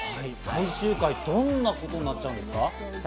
最終回、どんなことになっちゃうんですか？